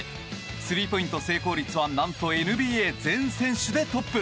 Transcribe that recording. スリーポイント成功率は何とＮＢＡ全選手でトップ。